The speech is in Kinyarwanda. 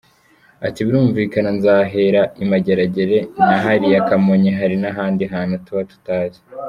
Ati “Birumvikana nzahera i Mageragere na hariya Kamonyi, hari n’ahandi hantu tuba tutazi.